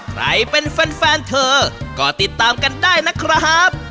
ใครเป็นแฟนเธอก็ติดตามกันได้นะครับ